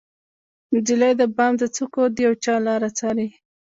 نجلۍ د بام د څوکو د یوچا لاره څارې